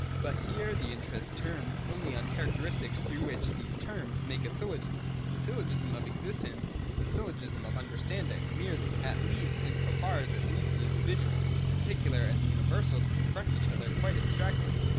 But here the interest turns only on the characteristics through which these terms make a syllogism. The syllogism of existence is a syllogism of understanding merely, at least in so far as it leaves the individual, the particular, and the universal to confront each other quite abstractly.